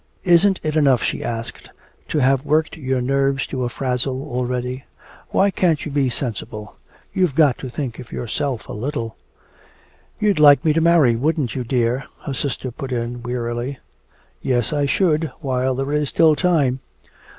"Isn't it enough," she asked, "to have worked your nerves to a frazzle already? Why can't you be sensible? You've got to think of yourself a little!" "You'd like me to marry, wouldn't you, dear?" her sister put in wearily. "Yes, I should, while there is still time!